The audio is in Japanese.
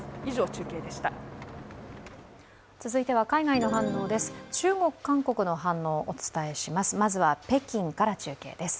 中国、韓国の反応をお伝えします。